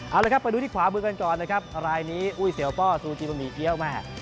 เอาละครับไปดูที่ขวามือกันก่อนนะครับรายนี้อุ้ยเสียวป้อซูจิบะหมี่เกี้ยวแม่